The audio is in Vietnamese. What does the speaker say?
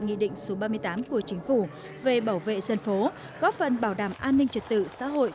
nghị định số ba mươi tám của chính phủ về bảo vệ dân phố góp phần bảo đảm an ninh trật tự xã hội